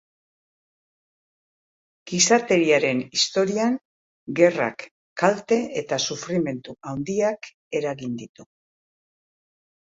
Gizateriaren historian gerrak kalte eta sufrimendu handiak eragin ditu.